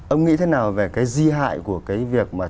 ông nghĩ thế nào về cái di hại của cái việc mà